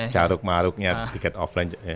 caruk maruknya tiket offline